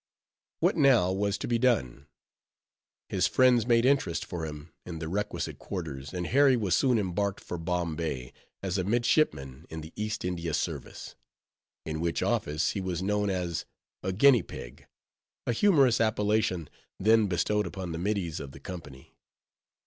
What now was to be done? His friends made interest for him in the requisite quarters, and Harry was soon embarked for Bombay, as a midshipman in the East India service; in which office he was known as a "guinea pig," a humorous appellation then bestowed upon the middies of the Company.